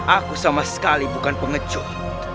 aku sama sekali bukan pengecuh